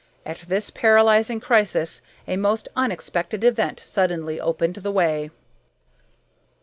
At this paralyzing crisis a most unexpected event suddenly opened the way.